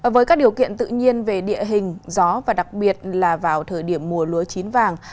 với các điều kiện tự nhiên về địa hình gió và đặc biệt là vào thời điểm mùa lúa chín vàng